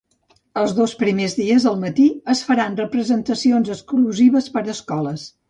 Els dos primers dies, al matí, es faran representacions exclusives per a escoles.